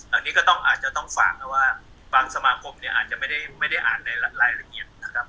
อันนี้ก็ต้องอาจจะต้องฝากนะว่าบางสมาคมเนี่ยอาจจะไม่ได้อ่านในรายละเอียดนะครับ